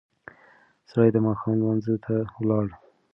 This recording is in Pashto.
سړی د ماښام لمانځه ته ولاړ.